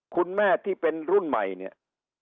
คุณแม่ที่เป็นรุ่นใหม่เนี่ย